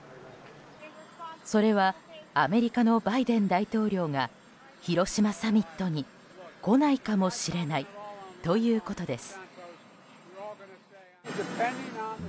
それはアメリカのバイデン大統領が広島サミットに来ないかもしれないということです。